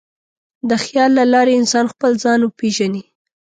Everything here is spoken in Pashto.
د خیال له لارې انسان خپل ځان وپېژني.